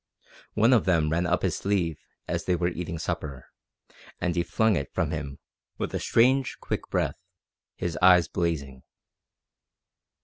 One of them ran up his sleeve as they were eating supper, and he flung it from him with a strange, quick breath, his eyes blazing.